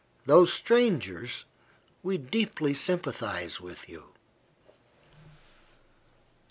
Though strangers, we deeply sympathize with you."